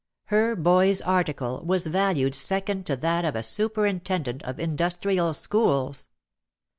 Her boy's article was valued sec ond to that of a superintendent of Industrial Schools!